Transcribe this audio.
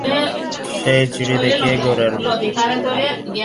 সেই চিঠি দেখিয়াই গোরার বুকের ভিতরটা অত্যন্ত শক্ত হইয়া উঠিল।